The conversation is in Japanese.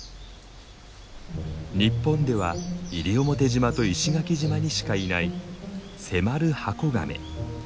日本では西表島と石垣島にしかいないセマルハコガメ。